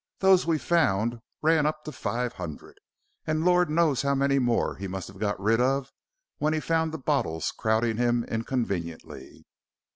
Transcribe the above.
Those we found, ran up to five hundred, and Lord knows how many more he must have got rid of when he found the bottles crowding him inconveniently."